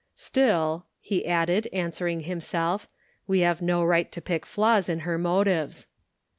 " Still," he added, answering himself, " we have no right to pick flaws in her motives."